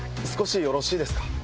少しよろしいですか。